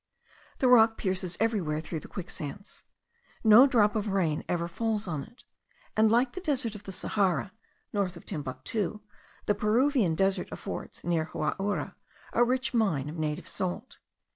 The rock pierces everywhere through the quicksands. No drop of rain ever falls on it; and, like the desert of Sahara, north of Timbuctoo, the Peruvian desert affords, near Huaura, a rich mine of native salt.